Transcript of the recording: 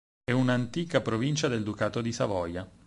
È un'antica provincia del Ducato di Savoia.